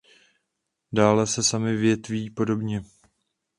Dále se samy větví podobně.